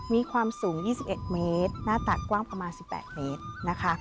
มีความสูง๒๑เมตรหน้าตักกว้างประมาณ๑๘เมตรนะคะ